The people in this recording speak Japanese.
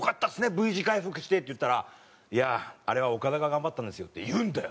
Ｖ字回復して」って言ったら「いやああれはオカダが頑張ったんですよ」って言うんだよ。